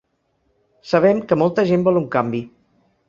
Sabem que molta gent vol un canvi.